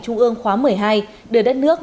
trung ương khóa một mươi hai đưa đất nước